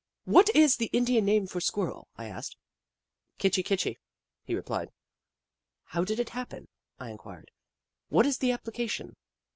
"What is the Indian name for Squirrel?" I asked. " Kitchi Kitchi," he replied. " How did it happen ?" I inquired. " What is the application